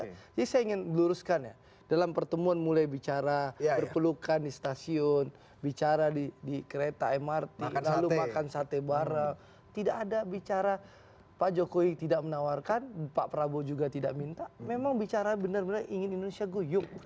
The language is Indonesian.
jadi saya ingin luruskan ya dalam pertemuan mulai bicara berpelukan di stasiun bicara di kereta mrt lalu makan sate bareng tidak ada bicara pak jokowi tidak menawarkan pak prabowo juga tidak minta memang bicara benar benar ingin indonesia goyuk